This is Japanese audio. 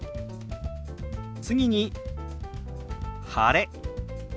次に「晴れ」。